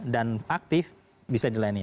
dan aktif bisa dilaini